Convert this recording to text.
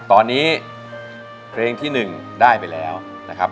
ตอนนี้เพลงที่๑ได้ไปแล้วนะครับ